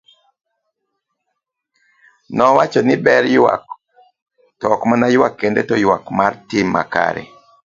Nowacho ni ber ywak, to ok mana ywak kende, to ywak mar tim makare.